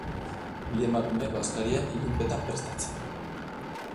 Bi emakume bazkaria ilunpetan prestatzen.